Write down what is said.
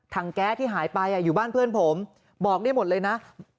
แก๊สที่หายไปอยู่บ้านเพื่อนผมบอกได้หมดเลยนะ